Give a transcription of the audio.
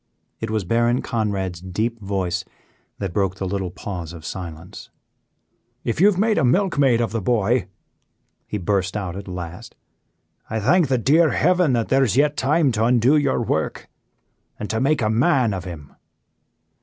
It was Baron Conrad's deep voice that broke the little pause of silence. "If you have made a milkmaid of the boy," he burst out at last, "I thank the dear heaven that there is yet time to undo your work and to make a man of him."